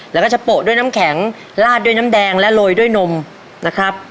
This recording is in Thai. แล้วก็จะโปะด้วยน้ำแข็งลาดด้วยน้ำแดงและโรยด้วยนมนะครับ